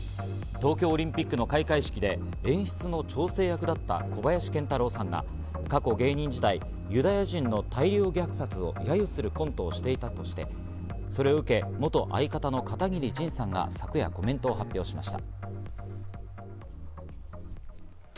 東京オリンピックの開会式で演出の調整役だった小林賢太郎さんが過去、芸人時代にユダヤ人の大量虐殺を揶揄するコントをしていたとして、それを受け、相方の片桐仁さんが昨夜コメントを発表しました。